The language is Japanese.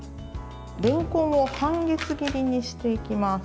れんこんを半月切りにしていきます。